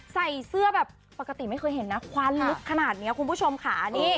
ใส่เสื้อแบบปกติไม่เคยเห็นนะควันลึกขนาดนี้คุณผู้ชมค่ะ